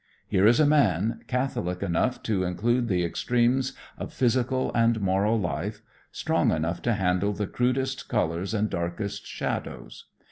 Here is a man catholic enough to include the extremes of physical and moral life, strong enough to handle the crudest colors and darkest shadows.